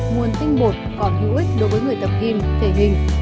nguồn tinh bột còn hữu ích đối với người tập kim thể hình